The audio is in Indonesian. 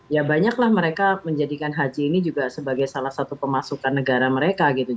ya banyaklah mereka menjadikan haji ini juga sebagai salah satu pemasukan negara mereka gitu